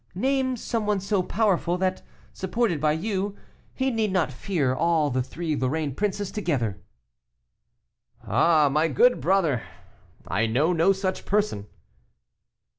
"Name some one so powerful that, supported by you, he need not fear all the three Lorraine princes together." "Ah, my good brother, I know no such person."